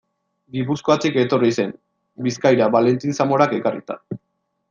Gipuzkoatik etorri zen Bizkaira, Valentin Zamorak ekarrita.